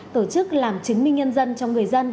tổ chức làm chứng minh nhân dân cho người dân